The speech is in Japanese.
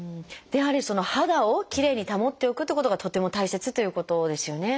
やはり肌をきれいに保っておくってことがとっても大切ということですよね。